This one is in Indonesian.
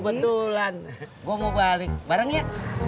kebetulan gue mau balik barengnya